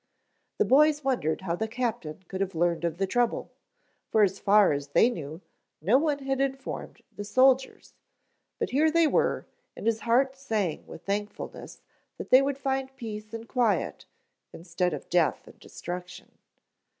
The boys wondered how the captain could have learned of the trouble, for as far as they knew no one had informed the soldiers, but here they were and his heart sang with thankfulness that they would find peace and quiet instead of death and destruction.